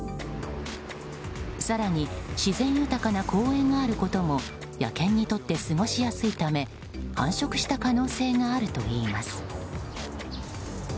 更に、自然豊かな公園があることも野犬にとって過ごしやすいため繁殖した可能性があるといいます。